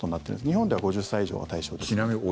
日本では５０歳以上が対象です。